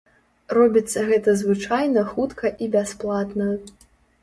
Робіцца гэта звычайна хутка і бясплатна.